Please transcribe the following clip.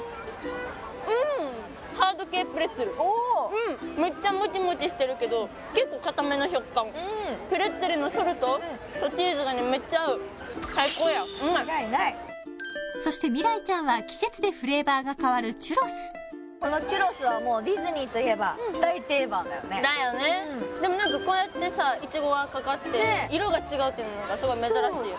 うんめっちゃモチモチしてるけど結構かための食感プレッツェルのソルトとチーズがめっちゃ合ううまい間違いないそして未来ちゃんは季節でフレーバーが変わるチュロスこのチュロスはもうディズニーといえば大定番だよねだよねでもなんかこうやってさイチゴがかかって色が違うっていうのもなんかすごい珍しいよね